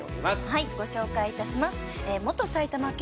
はいご紹介いたします。